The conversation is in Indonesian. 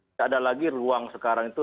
tidak ada lagi ruang sekarang itu